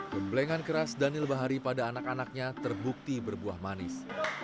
gemblengan keras daniel bahari pada anak anaknya terbukti berbuah manis